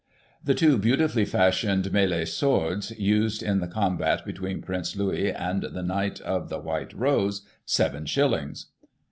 The two beautifully fashioned mklie swords, used in the combat between Prince Louis and the Knight of the White Rose, seven shillings.